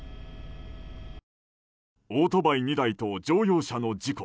オートバイ２台と乗用車の事故。